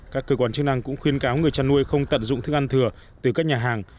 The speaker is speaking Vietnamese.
các cơ quan chức năng cũng khuyên cáo người chăn nuôi không tận dụng thức ăn thừa từ các nhà hàng